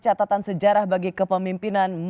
catatan sejarah bagi kepemimpinan